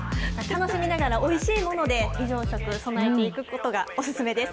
楽しみながら、おいしいもので非常食、備えていくことがお勧めです。